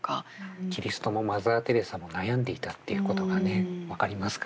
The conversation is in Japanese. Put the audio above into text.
キリストもマザー・テレサも悩んでいたっていうことがね分かりますからね